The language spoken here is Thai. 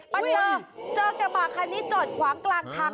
ปัดเจอเจอกับมาคันนี้จอดคว้างกลางทาง